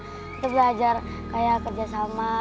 kita belajar kayak kerja sama